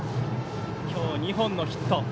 今日２本のヒット。